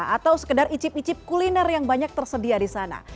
atau sekedar icip icip kuliner yang banyak tersedia di sana